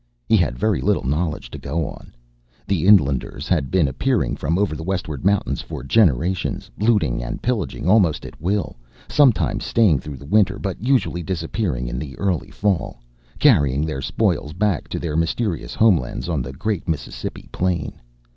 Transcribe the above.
He had very little knowledge to go on. The inlanders had been appearing from over the westward mountains for generations, looting and pillaging almost at will, sometimes staying through a winter but usually disappearing in the early Fall, carrying their spoils back to their mysterious homelands on the great Mississippi plain.